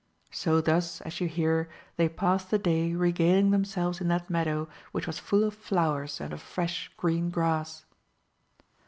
So thus as you hear they passed the day regaling themselves in that meadow which was full of flowers and of fresh green grass.